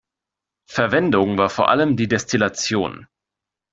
Verwendung war vor allem die Destillation.